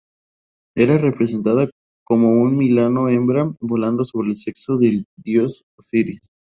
Era representada como un milano hembra volando sobre el sexo del dios Osiris.